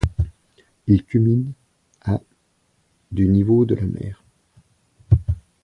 Il culmine à du niveau de la mer.